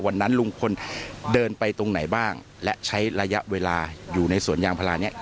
วันนั้นลุงพลเดินไปตรงไหนบ้างและใช้ระยะเวลาอยู่ในสวนยางพลาเนี่ย